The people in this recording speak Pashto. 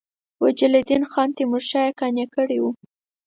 وجیه الدین خان تیمورشاه یې قانع کړی وو.